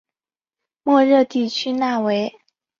莫热地区讷维。